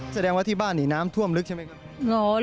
แสดงว่าที่บ้านนี่น้ำท่วมลึกใช่ไหมครับ